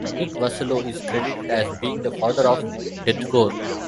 Nick Vasallo is credited as being the father of "deathcore".